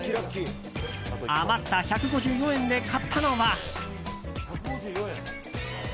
余った１５４円で買ったのは。